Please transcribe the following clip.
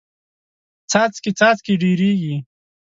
څاڅکې څاڅکې ډېریږي.